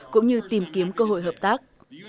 cũng như tìm kiếm cơ hội hợp tác